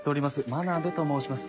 真鍋と申します。